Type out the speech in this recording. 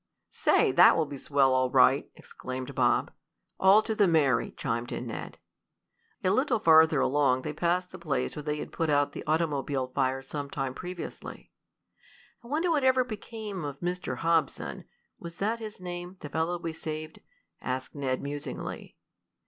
"Say, that will be swell all right!" exclaimed Bob. "All to the merry!" chimed in Ned. A little farther along they passed the place where they had put out the automobile fire some time previously. "I wonder what ever became of Mr. Hobson was that his name, the fellow we saved?" asked Ned, musingly.